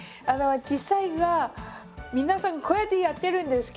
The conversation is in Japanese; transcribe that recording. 実際は皆さんこうやってやってるんですけど。